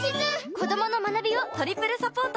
子どもの学びをトリプルサポート！